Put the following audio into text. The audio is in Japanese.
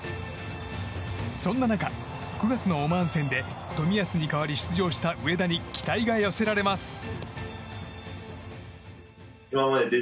そんな中、９月のオマーン戦で冨安に代わり、出場した植田に期待が寄せられます。